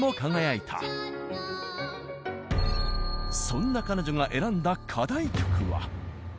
そんな彼女が選んだ課題曲は。